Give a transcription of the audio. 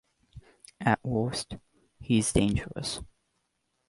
At worst, he's dangerous.